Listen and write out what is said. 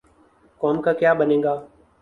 قوم کا کیا بنے گا؟